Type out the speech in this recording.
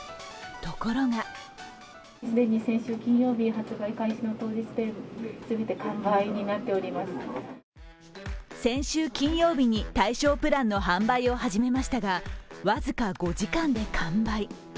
ところが先週金曜日に対象プランの販売を始めましたが、僅か５時間で完売。